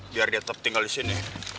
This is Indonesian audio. biar dia tetep tinggal disini